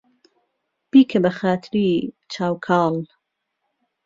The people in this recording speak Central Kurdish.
بیکه به خاتری چاو کاڵ